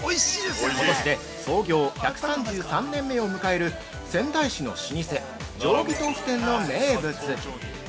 ◆ことしで創業１３３年目を迎える仙台市の老舗「定義とうふ店」の名物。